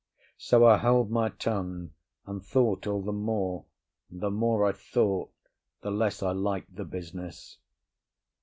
So I held my tongue, and thought all the more; and the more I thought, the less I liked the business.